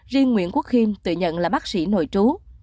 riêng nguyễn quốc khiêm tự nhận là bác sĩ nội trú